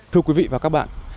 thưa quý vị và các bạn